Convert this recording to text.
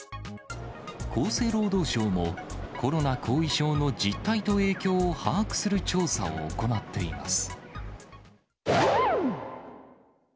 厚生労働省も、コロナ後遺症の実態と影響を把握する調査を行っています。